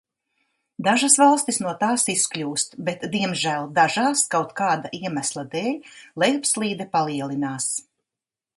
Dažas valstis no tās izkļūst, bet diemžēl dažās kaut kāda iemesla dēļ lejupslīde palielinās.